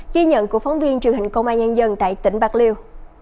ghi nhận của phóng viên truyền hình công an nhân dân tại tỉnh bạc liêu